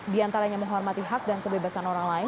diantaranya menghormati hak dan kebebasan orang lain